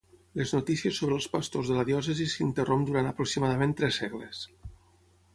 Les notícies sobre els pastors de la diòcesi s'interromp durant aproximadament tres segles.